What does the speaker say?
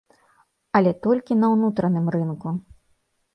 Але толькі на ўнутраным рынку.